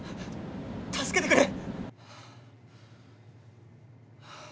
助けてくれ！